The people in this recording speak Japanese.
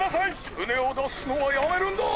ふねをだすのはやめるんだ！